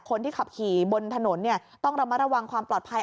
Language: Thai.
คนที่ขับขี่บนถนนต้องระมัดระวังความปลอดภัย